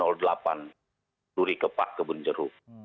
luri kepak kebun jeruk